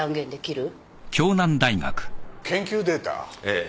ええ。